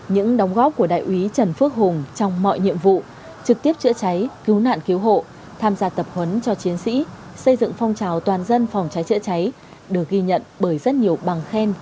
những đóng góp của đại úy trần phước hùng trong mọi nhiệm vụ trực tiếp chữa cháy cứu nạn cứu hộ tham gia tập huấn cho chiến sĩ xây dựng phong trào toàn dân phòng cháy chữa cháy được ghi nhận bởi rất nhiều bằng khen